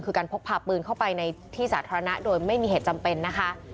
คือการพกพาปืนเข้าไปในที่สาธารณะโดยไม่มีเหตุจำเป็นนะคะ